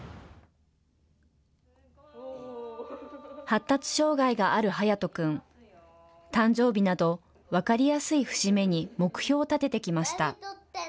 発達障害があるハヤトくん、誕生日など分かりやすい節目に目標を立ててきました。